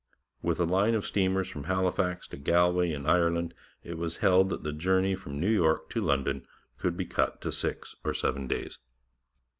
With a line of steamers from Halifax to Galway in Ireland, it was held that the journey from New York to London could be cut to six or seven days.